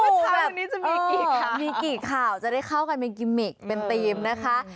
วันเช้านี้จะมีกี่ข่าวมีกี่ข่าวจะได้เข้ากันเป็นกิมมิกเป็นธีมนะคะ